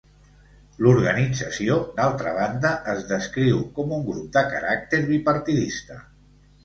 L'organització, d'altra banda, es descriu com un grup de caràcter bipartidista.